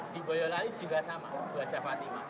di boyolali juga sama bahasa fatima